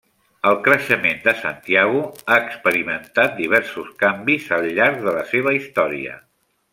El creixement de Santiago ha experimentat diversos canvis al llarg de la seva història.